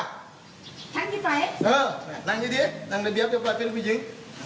นั่งดีนั่งระเบียบเรียบร้อยเป็นผู้หญิง